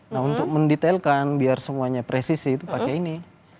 nah untuk mendetailkan biar semuanya presisi itu pakai ini